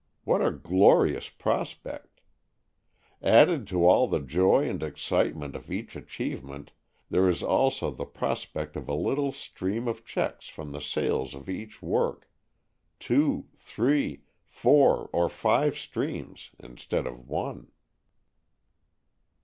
What a glorious prospect! Added to all the joy and excitement of each achievement there is also the prospect of a little stream of checks from the sales of each work two, three, four or five streams instead of one!